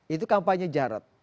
itu kampanye jarat